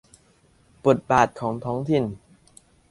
บทบาทของท้องถิ่น